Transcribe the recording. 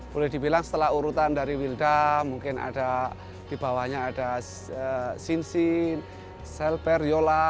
boleh dibilang setelah urutan dari wilda mungkin ada di bawahnya ada sinsin selber yola